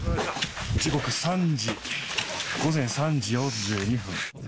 時刻３時、午前３時４２分。